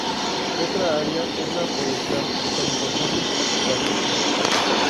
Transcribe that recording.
Otra área es la forestal, con importantes plantaciones.